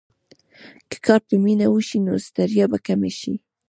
که کار په مینه وشي، نو ستړیا به کمه شي.